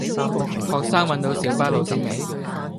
學生搵到小巴路線未